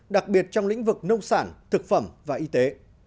đặc biệt trong lĩnh vực nông sản thực phẩm và y tế